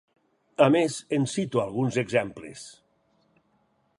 A més, en cito alguns exemples.